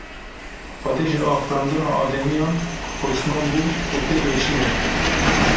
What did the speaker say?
Xwedê ji afirandina ademiyan poşman bû û pê êşiya.